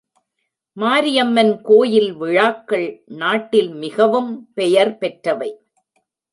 மாரியம்மன் கோயில் விழாக்கள் நாட்டில் மிகவும் பெயர் பெற்றவை.